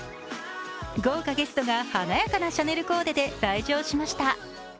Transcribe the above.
豪華ゲストが華やかなシャネルコーデで来場しました。